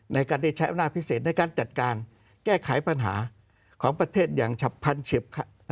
ในการได้ใช้อำนาจพิเศษในการจัดการแก้ไขปัญหาของประเทศอย่างฉับพันเฉียบ